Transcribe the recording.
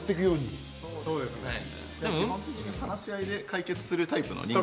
基本的に話し合いで解決するタイプ。